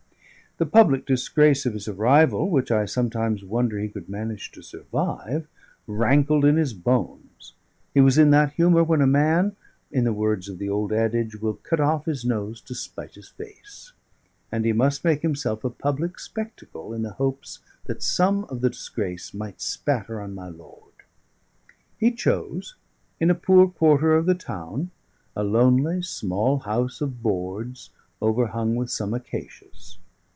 The public disgrace of his arrival which I sometimes wonder he could manage to survive rankled in his bones; he was in that humour when a man in the words of the old adage will cut off his nose to spite his face; and he must make himself a public spectacle in the hopes that some of the disgrace might spatter on my lord. He chose, in a poor quarter of the town, a lonely, small house of boards, overhung with some acacias.